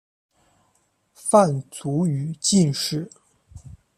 范祖禹进士。